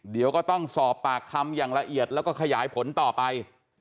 เดี๋ยวก็ต้องสอบปากคำอย่างละเอียดแล้วก็ขยายผลต่อไป